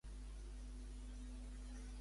Què van fer amb Nugua?